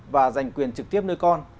và giành quyền trực tiếp nuôi con